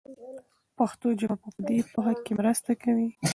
پښتو ژبه مو په دې پوهه کې مرسته کوي.